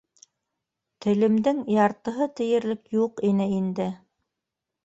Телемдең яртыһы тиерлек юҡ ине инде.